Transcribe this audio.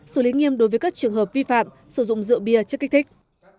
xử lý nghiêm đối với các trường hợp vi phạm sử dụng rượu bia chất kích thích